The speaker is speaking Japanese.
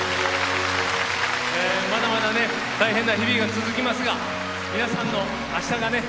まだまだね大変な日々が続きますが皆さんの明日がね